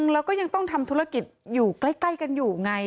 เราก็ยังต้องทำธุรกิจคล้ายกันอยู่ไง